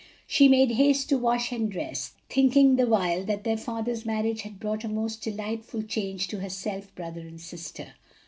She made haste to wash and dress, thinking the while that their father's marriage had brought a most delightful change to herself, brother and sister.